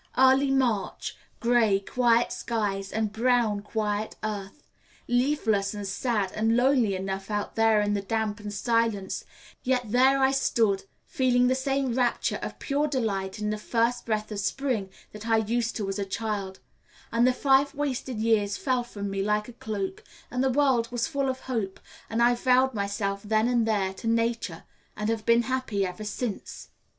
Early March, gray, quiet skies, and brown, quiet earth; leafless and sad and lonely enough out there in the damp and silence, yet there I stood feeling the same rapture of pure delight in the first breath of spring that I used to as a child, and the five wasted years fell from me like a cloak, and the world was full of hope, and I vowed myself then and there to nature, and have been happy ever since.